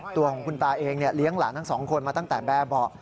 ตัวของคุณตาเองเลี้ยงหลานทั้งสองคนมาตั้งแต่แบบเบาะ